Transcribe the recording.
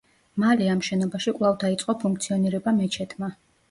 მალე, ამ შენობაში კვლავ დაიწყო ფუნქციონირება მეჩეთმა.